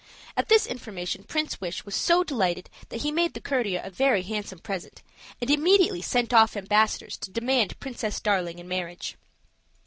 At this information Prince Wish was so delighted that he made the courtier a very handsome present, and immediately sent off ambassadors to demand Princess Darling in marriage.